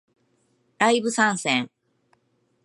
ライブ参戦